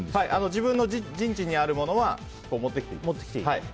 自分の陣地にあるものは持ってきていいです。